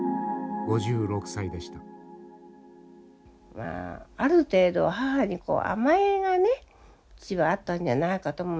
まあある程度母に甘えがね父はあったんじゃないかと思うんですね。